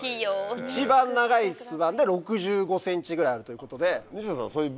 一番長い巣板で６５ｃｍぐらいあるということで。